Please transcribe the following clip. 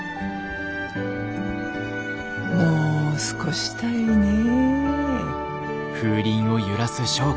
もう少したいね。